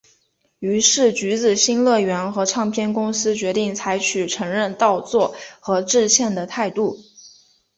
于是橘子新乐园和唱片公司决定采取承认盗作和致歉的态度。